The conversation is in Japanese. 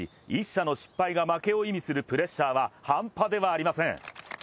１射の失敗が負けを意味するプレッシャーは、半端ではありません。